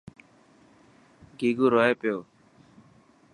گيگو روئي پيو.